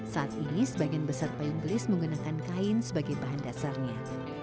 saat ini sebagian besar payung gelis menggunakan kain sebagai bahan dasarnya